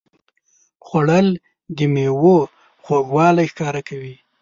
خوړل د میوو خوږوالی ښکاره کوي